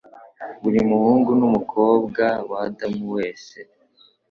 Buri muhungu n'umukobwa w'Adamu wese